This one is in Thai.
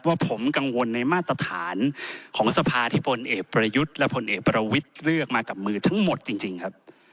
ว่าผมกังวลในมาตรฐานของสภาที่พลเอกประยุทธ์และผลเอกประวิทย์เลือกมากับมือทั้งหมดจริงครับ